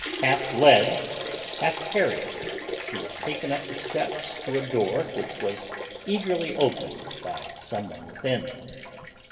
Half led, half carried, she was taken up the steps to a door which was eagerly opened by some one within.